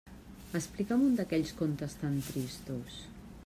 Explica'm un d'aquells contes tan tristos!